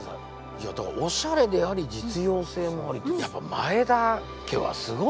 いやだからおしゃれであり実用性もありってやっぱ前田家はすごいんだ。